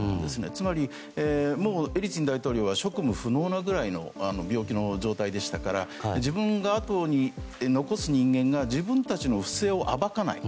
つまり、エリツィン大統領は職務不能なくらいの病気の状態でしたから自分があとに残す人間が自分たちの不正を暴かない。